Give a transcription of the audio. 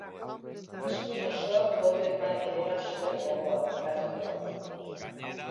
Eskuin osoak boto-emaile bera zuen gogoan, katolikoa.